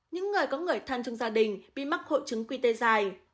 những người có người thân trong gia đình bị mắc hộ trứng quy tê dài